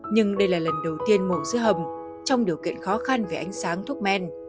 nhưng đây là lần đầu tiên mổ giữa hầm trong điều kiện khó khăn về ánh sáng thuốc men